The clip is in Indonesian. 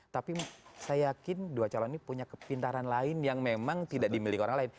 tapi saya yakin dua calon ini punya kepintaran lain yang memang tidak dimiliki orang lain